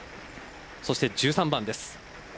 そして１３番です。